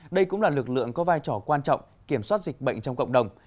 đây cũng là lực lượng có vai trò quan trọng kiểm soát dịch bệnh trong cộng đồng